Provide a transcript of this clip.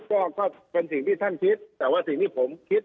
ก็เป็นสิ่งที่ท่านคิดแต่ว่าสิ่งที่ผมคิด